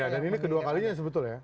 ya dan ini kedua kalinya yang sebetulnya ya